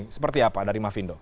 seperti apa dari mas findo